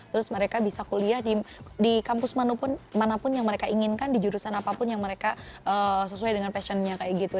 terus mereka bisa kuliah di kampus manapun yang mereka inginkan di jurusan apapun yang mereka sesuai dengan passionnya kayak gitu